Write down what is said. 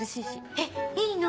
えっいいの？